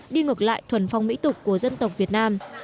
đi ngược lại thuần phong mỹ tục của dân tộc việt nam